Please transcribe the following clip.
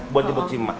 buat dibuat simak